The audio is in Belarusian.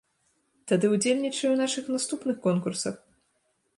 Тады удзельнічай у нашых наступных конкурсах!